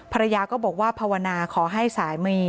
ภรรยาก็บอกว่าภาวนาขอให้สามี